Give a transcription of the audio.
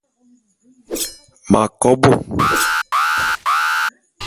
M'akobô.